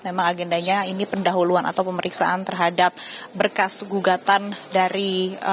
memang agendanya ini pendahuluan atau pemeriksaan terhadap berkas gugatan dari